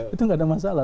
itu nggak ada masalah